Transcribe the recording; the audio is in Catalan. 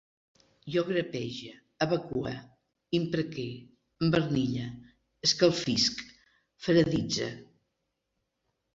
Jo grapege, evacue, impreque, embarnille, escalfisc, faraditze